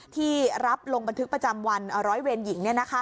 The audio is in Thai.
ที่รับลงบันทึกประจำวันร้อยเวรหญิง